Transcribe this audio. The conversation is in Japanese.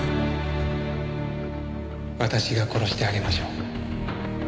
私が殺してあげましょう。